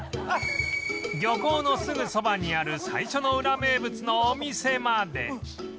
漁港のすぐそばにある最初のウラ名物のお店まで